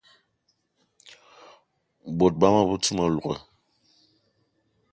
Bot bama be te ma louga